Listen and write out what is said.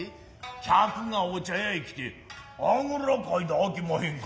客がお茶屋へ来て胡座かいたらあきまへんか。